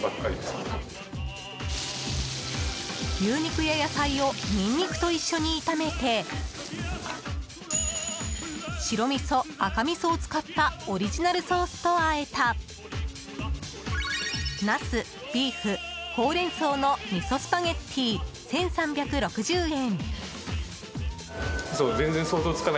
牛肉や野菜をニンニクと一緒に炒めて白みそ、赤みそを使ったオリジナルソースと和えたナス・ビーフ・ほうれん草の味噌スパゲッティ、１３６０円。